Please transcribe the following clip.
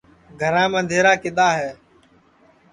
گھرام اندھیرا کِدؔا ہے